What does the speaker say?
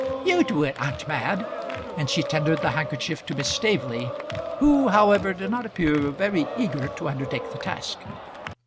"You do it, aunt Mad," and she tendered the handkerchief to Miss Staveley, who, however, did not appear very eager to undertake the task.